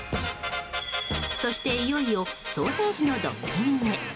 そしていよいよソーセージのドッキングへ。